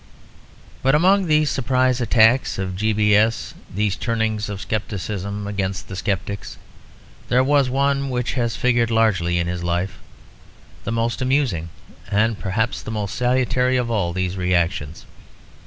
But among these surprise attacks of G. B. S., these turnings of scepticism against the sceptics, there was one which has figured largely in his life; the most amusing and perhaps the most salutary of all these reactions.